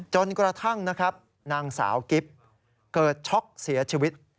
จนกระทั่งนะครับนางสาวกิ๊บเกิดช็อกเสียชีวิต